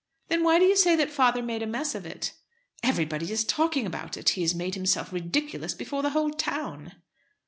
"Then why do you say that father made a mess of it?" "Everybody is talking about it. He has made himself ridiculous before the whole town."